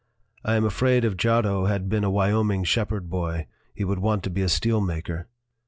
I am afraid if Giotto had been a Wyoming shepherd boy he would want to be a steel maker.